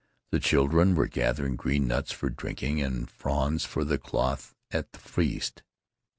The children were gathering green nuts for drinking and fronds for the cloth at the feast.